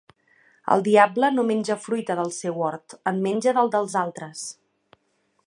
El diable no menja fruita del seu hort, en menja del dels altres.